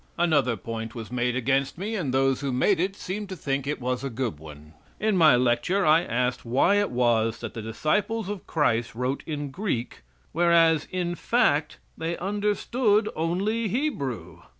Another point was made against me, and those who made it seemed to think it was a good one. In my lecture I asked why it was that the Disciples of Christ wrote in Greek, whereas, in fact, they understood only Hebrew.